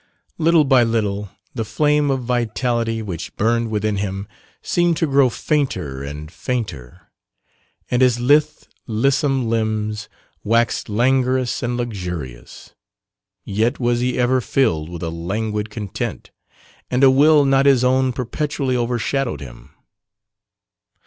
Little by little the flame of vitality which burned within him seemed to grow fainter and fainter, and his lithe lissom limbs waxed languorous and luxurious yet was he ever filled with a languid content and a will not his own perpetually overshadowed him.